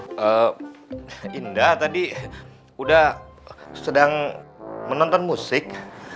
mbak indah tadi udah sedang menonton musik